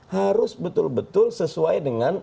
harus betul betul sesuai dengan